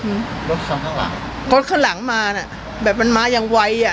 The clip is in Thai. อืมรถสองข้างหลังรถข้างหลังมาน่ะแบบมันมาอย่างไวอ่ะ